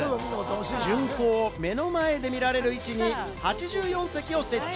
巡行を目の前で見られる位置に８４席を設置。